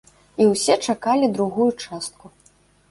І ўсе чакалі другую частку.